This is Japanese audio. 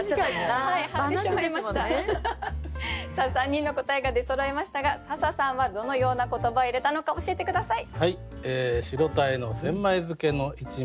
３人の答えが出そろいましたが笹さんはどのような言葉を入れたのか教えて下さい。